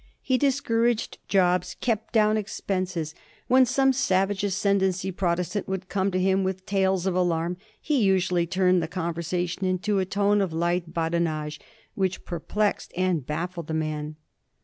He discouraged jobs, kept down expenses. ... When some savage Ascendency Prot estant would come to him with tales of alarm, he usually turned the conversation into a tone of light badinage which perplexed and bafiled the man.